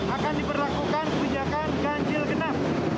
akan diberlakukan kebijakan ganjil genap